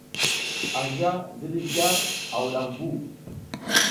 Anja ziriy gar a wudam vu.